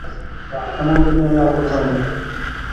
এমন দুনিয়ায় আর কোথাও নেই।